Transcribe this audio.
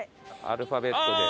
アルファベットで。